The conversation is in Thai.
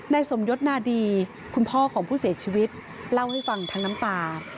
สมยศนาดีคุณพ่อของผู้เสียชีวิตเล่าให้ฟังทั้งน้ำตา